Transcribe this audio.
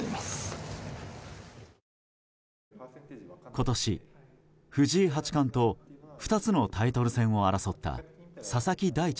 今年、藤井八冠と２つのタイトル戦を争った佐々木大地